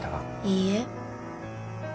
いいえ